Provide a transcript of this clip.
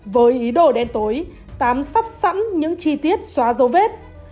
với ý đồ đen tối tám sắp sẵn những chi tiết xóa dấu vết